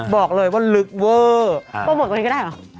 บอกเลยว่าลึกเวอร์